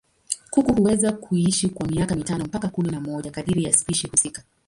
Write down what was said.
Kuku huweza kuishi kwa miaka mitano mpaka kumi na moja kadiri ya spishi husika.